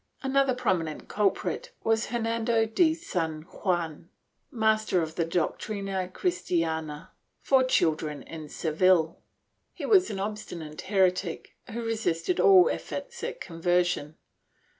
Another prominent culprit was Hernando de San Juan, master of the Doctrina Chris tiana for children in Seville. He was an obstinate heretic, who resisted all efforts at conversion.